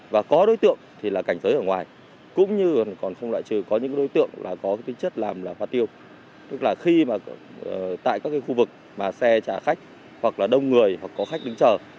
và có đối tượng thì sẽ đóng vai trò làm xe ôm để lôi kéo